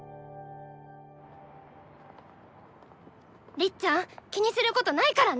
りっちゃん気にすることないからね！